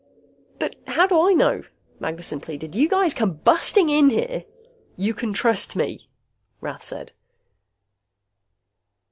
"But how do I know?" Magnessen pleaded. "You guys come busting in here " "You can trust me," Rath said.